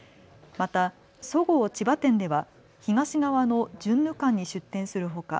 また、そごう千葉店では東側のジュンヌ館に出店するほか